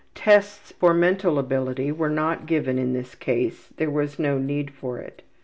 Tests for mental ability were not given in this case, there was no need for it.